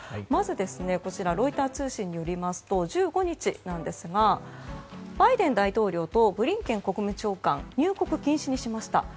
まず、ロイター通信によりますと１５日ですが、バイデン大統領とブリンケン国務長官入国禁止にしました。